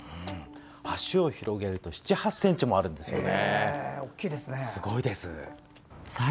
脚を広げると７８ｃｍもあるんですよね。